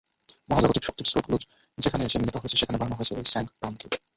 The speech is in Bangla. মহাজাগতিক শক্তির স্রোতগুলো যেখানে এসে মিলিত হয়েছে, সেখানে বানানো হয়েছে এই স্যাঙ্কটামকে।